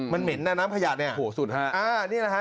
มันเหม็นนะน้ำขยะเนี่ยโอ้โหสุดฮะอ่านี่แหละฮะ